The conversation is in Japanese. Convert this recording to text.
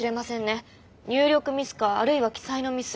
入力ミスかあるいは記載のミス。